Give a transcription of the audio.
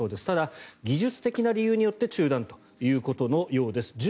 ただ、技術的な理由によって中断ということのようです。